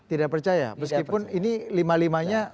tidak percaya meskipun ini lima limanya